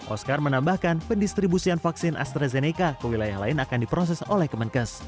oscar menambahkan pendistribusian vaksin astrazeneca ke wilayah lain akan diproses oleh kemenkes